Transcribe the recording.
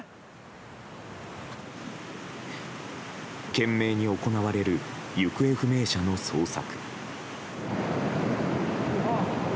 懸命に行われる行方不明者の捜索。